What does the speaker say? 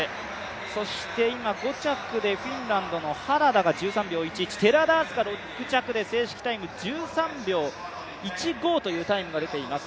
そして今５着でフィンランドのハララが１３秒１１、寺田明日香６着で正式タイム、１３秒１５というタイムが出ています。